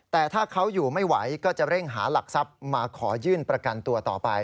แต่ถ้าเขาอยู่ไม่ไหวก็จะเร่งหาหลักทรัพย์มาขอยื่นประกันตัวต่อไป